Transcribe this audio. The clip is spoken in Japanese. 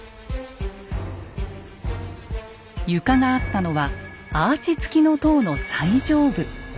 床があったのはアーチ付きの塔の最上部。